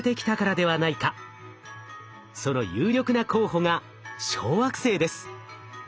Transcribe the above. その有力な候補が小惑星です。